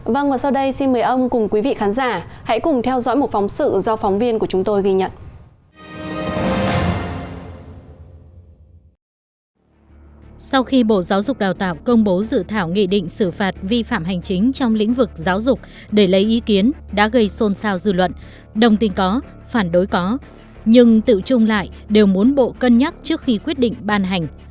và sau đây xin mời ông cùng quý vị khán giả hãy cùng theo dõi một phóng sự do phóng viên của chúng tôi ghi nhận